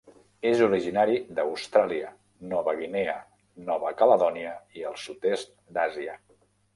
És originari d'Austràlia, Nova Guinea, Nova Caledònia i el sud-est d'Àsia.